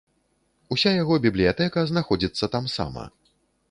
Уся яго бібліятэка знаходзіцца тамсама.